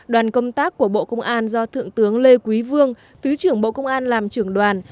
đoàn công tác của bộ công an do thượng tướng lê quý vương thứ trưởng bộ công an làm trưởng đoàn